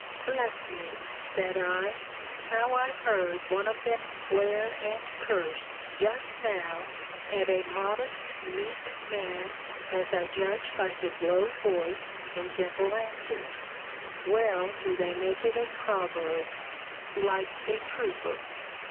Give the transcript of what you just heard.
Bless me! said I, how I heard one of them swear and curse, just now, at a modest, meek man, as I judge by his low voice, and gentle answers! Well do they make it a proverb Like a trooper!